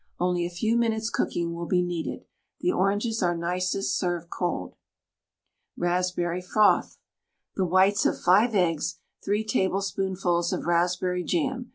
Only a few minutes cooking will be needed. The oranges are nicest served cold. RASPBERRY FROTH. The whites of 5 eggs, 3 tablespoonfuls of raspberry jam.